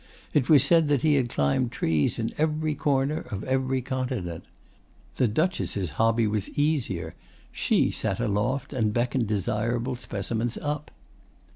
It was said that he had climbed trees in every corner of every continent. The Duchess' hobby was easier. She sat aloft and beckoned desirable specimens up.